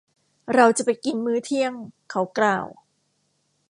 เราจะไปกินมื้อเที่ยง เขากล่าว